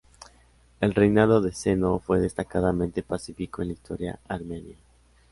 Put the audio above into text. El reinado de Zeno fue destacadamente pacífico en la historia armenia.